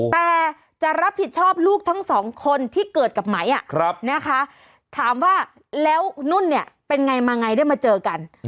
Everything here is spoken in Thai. แต่จะรับผิดชอบลูกทั้งสองคนที่เกิดกับไหมนะคะถามว่าแล้วนุ่นเนี่ยเป็นไงมาไงได้มาเจอกัน